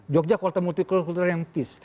jogja kualitas multikultural yang peace